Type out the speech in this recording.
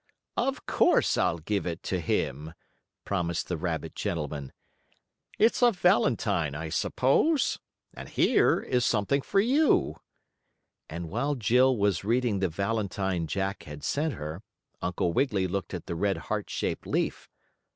"Of course, I'll give it to him," promised the rabbit gentleman. "It's a valentine, I suppose, and here is something for you," and while Jill was reading the valentine Jack had sent her, Uncle Wiggily looked at the red heart shaped leaf.